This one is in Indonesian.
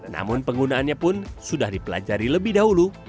namun penggunaannya pun sudah dipelajari lebih dahulu